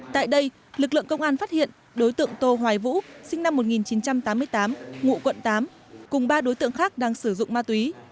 tại đây lực lượng công an phát hiện đối tượng tô hoài vũ sinh năm một nghìn chín trăm tám mươi tám ngụ quận tám cùng ba đối tượng khác đang sử dụng ma túy